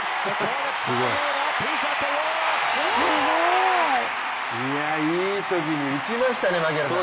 いや、いいときに打ちましたね、槙原さん。